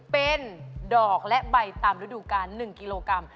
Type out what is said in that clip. เป็นดอกและใบตามฤดูกาล๑กิโลกรัม